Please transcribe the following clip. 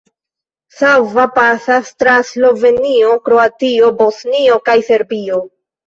Sava pasas tra Slovenio, Kroatio, Bosnio kaj Serbio.